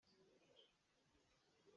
A cuai ka thlai lio a si.